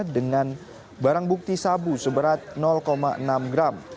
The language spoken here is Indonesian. dengan barang bukti sabu seberat enam gram